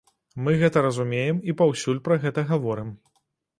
Мы гэта разумеем і паўсюль пра гэта гаворым.